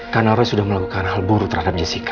karena roy sudah melakukan hal buruk terhadap jessica